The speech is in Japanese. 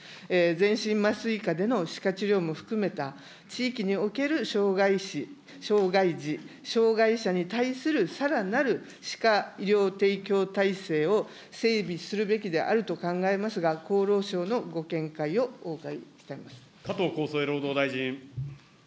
全身麻酔下での歯科治療も含めた、地域における障害児、障害者に対するさらなる歯科医療提供体制を整備するべきであると考えますが、厚労省のご見解をお伺いいたします。